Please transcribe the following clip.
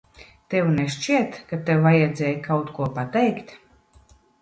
Tev nešķiet, ka tev vajadzēja kaut ko pateikt?